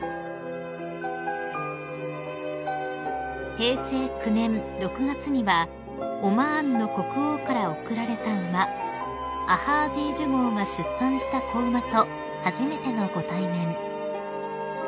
［平成９年６月にはオマーンの国王から贈られた馬アハージージュ号が出産した子馬と初めてのご対面］